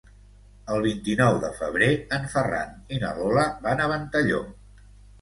El vint-i-nou de febrer en Ferran i na Lola van a Ventalló.